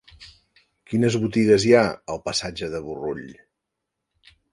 Quines botigues hi ha al passatge de Burrull?